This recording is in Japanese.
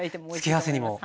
付け合わせにも？